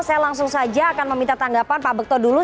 saya langsung saja akan meminta tanggapan pak bekto dulu